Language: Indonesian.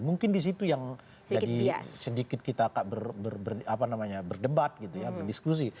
mungkin di situ yang jadi sedikit kita agak berdebat gitu ya berdiskusi